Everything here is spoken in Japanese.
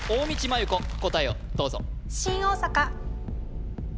麻優子答えをどうぞ新大阪